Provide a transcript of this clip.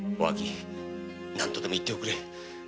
何とでも言っておくれ。